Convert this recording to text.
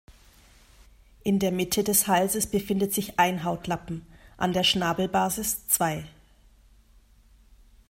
In der Mitte des Halses befindet sich ein Hautlappen, an der Schnabelbasis zwei.